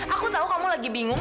aku tahu kamu lagi bingung